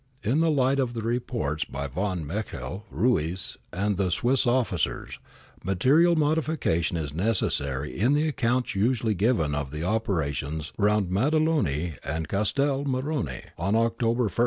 In the light of the reports by Von Mechel, Ruiz, and the Swiss officers, material modification is necessary in the accounts usually given of the operations round Maddaloni and Castel Morrone on Ociober i.